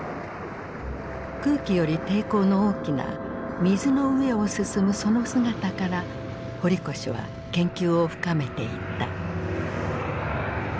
空気より抵抗の大きな水の上を進むその姿から堀越は研究を深めていった。